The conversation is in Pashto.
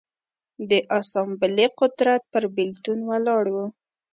د اسامبلې قدرت پر بېلتون ولاړ و.